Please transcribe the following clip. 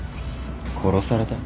殺された？